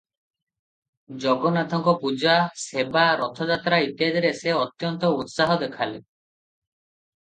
ଜଗନ୍ନାଥଙ୍କ ପୂଜା, ସେବା, ରଥଯାତ୍ରା ଇତ୍ୟାଦିରେ ସେ ଅତ୍ୟନ୍ତ ଉତ୍ସାହ ଦେଖାଲେ ।